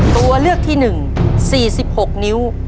ตัวเลือกที่๑๔๖นิ้ว